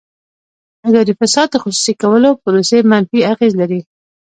اداري فساد د خصوصي کولو پروسې منفي اغېز لري.